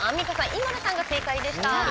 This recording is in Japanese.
ＩＭＡＬＵさんが正解でした。